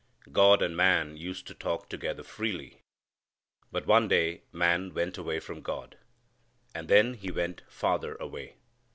God and man used to talk together freely. But one day man went away from God. And then he went farther away.